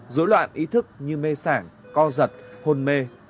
rối loạn ý thức như mê sảng co giật hôn mê